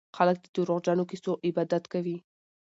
خلک د دروغجنو کيسو عبادت کوي.